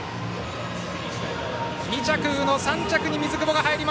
２着、宇野３着に水久保。